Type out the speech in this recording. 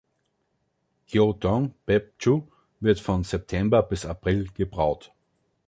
Gyodong-beopju wird von September bis April gebraut.